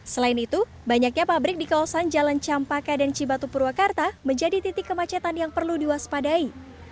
selain itu banyaknya pabrik di kawasan jalan campaka dan cibatu purwakarta menjadi titik kemacetan yang perlu diwaspadai